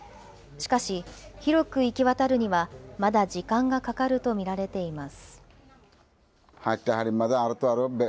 しかし、広く行き渡るにはまだ時間がかかると見られています。